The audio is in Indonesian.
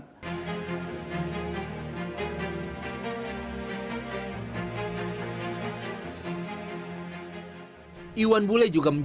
tidak ada apapun